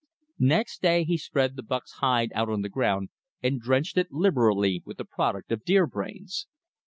Next day he spread the buck's hide out on the ground and drenched it liberally with the product of deer brains.